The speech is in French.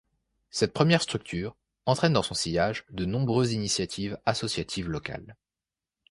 Cette première structure entraîne dans son sillage de nombreuses initiatives associatives locales.